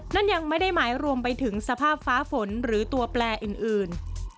นั่นยังไม่ได้หมายรวมไปถึงสภาพฟ้าฝนหรือตัวแปลอื่น